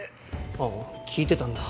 あ聞いてたんだ。